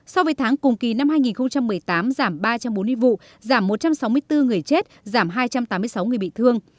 so với tháng cùng kỳ năm hai nghìn một mươi tám giảm ba trăm bốn mươi vụ giảm một trăm sáu mươi bốn người chết giảm hai trăm tám mươi sáu người bị thương